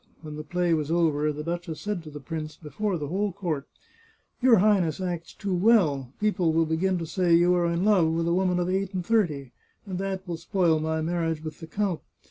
When the play was over, the duchess said to the prince, before the whole court :" Your Highness acts too well. People will begin to say you are in love with a woman of eight and thirty, and that will spoil my marriage with the count.